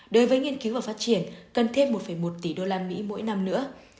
đối với nghiên cứu và phát triển cần thêm một một tỷ usd mỗi năm nữa